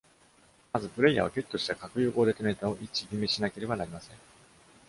まずプレイヤーはゲットした核融合デトネーターを位置決めしなければなりません。